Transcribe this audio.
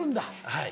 はい。